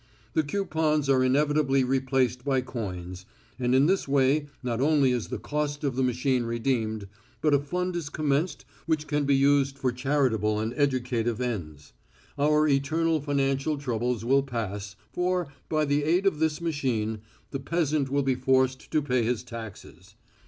"The coupons are inevitably replaced by coins, and in that way not only is the cost of the machine redeemed, but a fund is commenced which can be used for charitable and educative ends. Our eternal financial troubles will pass, for, by the aid of this machine, the peasant will be forced to pay his taxes.